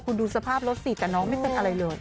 คุณดูสภาพรถสิแต่น้องไม่เป็นอะไรเลย